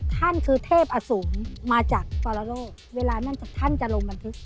ท่านคือเทพอสุมมาจากฟาลาโลกเวลานั่นท่านจะลงบันทึก